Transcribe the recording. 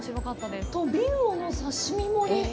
トビウオの刺身盛り。